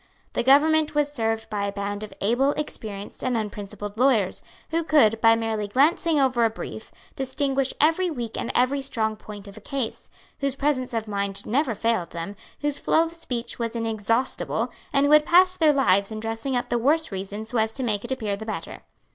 The government was served by a band of able, experienced and unprincipled lawyers, who could, by merely glancing over a brief, distinguish every weak and every strong point of a case, whose presence of mind never failed them, whose flow of speech was inexhaustible, and who had passed their lives in dressing up the worse reason so as to make it appear the better.